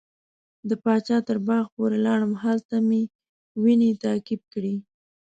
د پاچا تر باغه پورې لاړم هلته مې وینې تعقیب کړې.